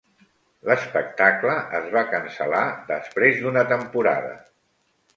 L'espectacle es va cancel·lar després d'una temporada.